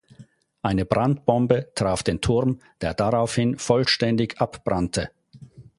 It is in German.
Eine Brandbombe traf den Turm, der daraufhin vollständig abbrannte.